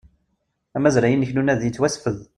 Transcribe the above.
Amazray-inek n unadi yettwasfed